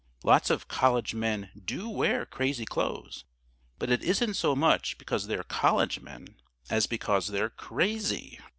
Lots of College men do wear crazy clothes; but it isn't so much because they're College men, as because they're crazy.